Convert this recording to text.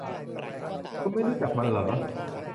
คุณไม่รู้จักมันหรอ